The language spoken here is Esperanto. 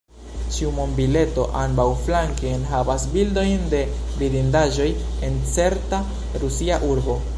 Ĉiu monbileto ambaŭflanke enhavas bildojn de vidindaĵoj en certa rusia urbo.